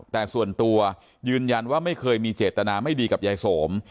แต่ส่วนตัวยืนยันว่าไม่เคยมีเจตนาไม่ดีกับยายสม